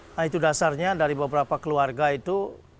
nah itu dasarnya dari beberapa keluarga itu